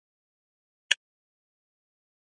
رئیس جمهور خپلو عسکرو ته امر وکړ؛ په خپلو مټو تکیه وکړئ!